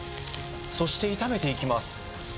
そして炒めていきます